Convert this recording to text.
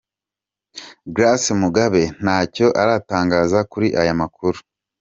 Grace Mugabe ntacyo aratangaza kuri aya amakuru.